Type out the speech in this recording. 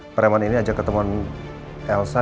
pereman ini ajak ketemuan elsa